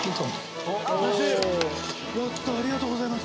やったありがとうございます